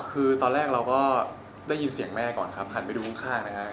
คือตอนแรกเราก็ได้ยินเสียงแม่ก่อนครับหันไปดูข้างนะครับ